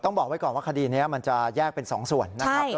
บอกไว้ก่อนว่าคดีนี้มันจะแยกเป็น๒ส่วนนะครับ